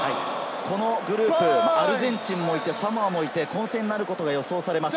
このグループ、アルゼンチンもサモアもいて混戦になることが予想されます。